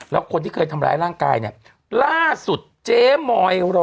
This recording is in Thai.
แล้วคนที่เคยทำร้ายร่างกายเนี่ยล่าสุดเจ๊มอยรอ